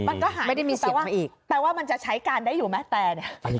มันก็หาไม่ได้มีสว่างอีกแปลว่ามันจะใช้การได้อยู่ไหมแต่เนี่ย